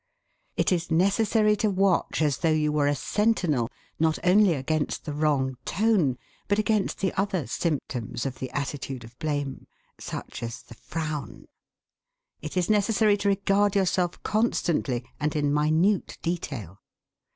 It is necessary to watch, as though you were a sentinel, not only against the wrong tone, but against the other symptoms of the attitude of blame. Such as the frown. It is necessary to regard yourself constantly, and in minute detail.